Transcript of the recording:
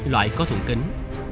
loại có thùng kính